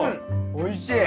おいしい！